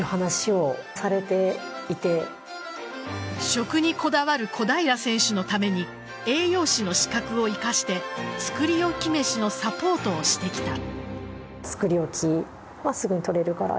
食にこだわる小平選手のために栄養士の資格を生かして作り置きめしのサポートをしてきた。